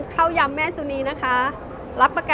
ข้าวยำสมุนไพรค่ะ